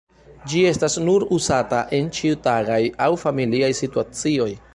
Ĝi estas nur uzata en ĉiutagaj aŭ familiaj situacioj.